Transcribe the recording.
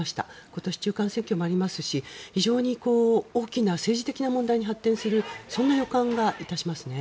今年、中間選挙もありますし非常に大きな政治的な問題に発展するそんな予感がいたしますね。